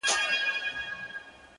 تقدیر پاس په تدبیرونو پوري خاندي -